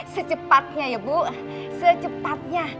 secepatnya ya bu secepatnya